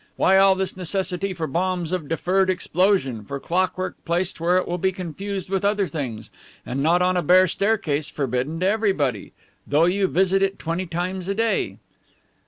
Why all this necessity for bombs of deferred explosion, for clockwork placed where it will be confused with other things, and not on a bare staircase forbidden to everybody, though you visit it twenty times a day?"